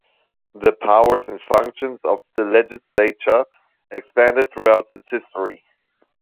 The powers and functions of the legislature expanded throughout its history.